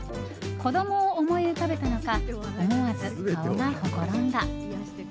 子供を思い浮かべたのか思わず顔がほころんだ。